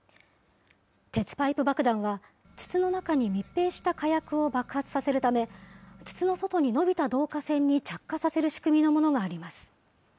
鉄パイプ爆弾は、筒の中に密閉した火薬を爆発させるため、筒の外に伸びた導火線に着火させる仕組みのものがあります。